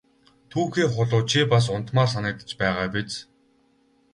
Түүхий хулуу чи бас унтмаар санагдаж байгаа биз!